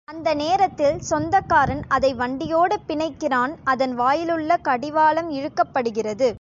அந்த நேரத்தில் சொந்தக்காரன் அதை வண்டியோடு பிணைக்கிறான் அதன் வாயிலுள்ள கடிவாளம் இழுக்கப்படுகிறது.